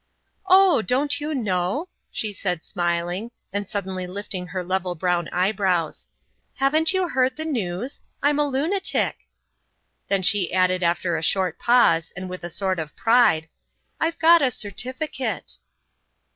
"Oh, don't you know?" she said, smiling, and suddenly lifting her level brown eyebrows. "Haven't you heard the news? I'm a lunatic." Then she added after a short pause, and with a sort of pride: "I've got a certificate."